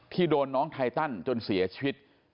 โดนน้องไทตันจนเสียชีวิต